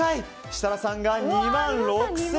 設楽さんが２万６０００円。